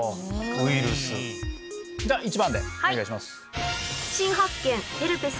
ウイルス１番でお願いします。